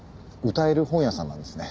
歌える本屋さんなんですね。